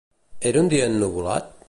Era un dia ennuvolat?